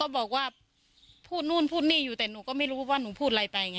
บอกว่าพูดนู่นพูดนี่อยู่แต่หนูก็ไม่รู้ว่าหนูพูดอะไรไปไง